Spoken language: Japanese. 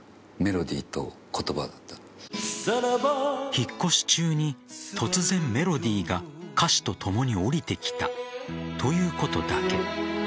引っ越し中に突然、メロディーが歌詞とともに降りてきたということだけ。